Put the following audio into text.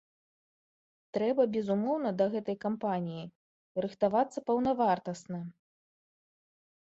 Трэба, безумоўна, да гэтай кампаніі рыхтавацца паўнавартасна.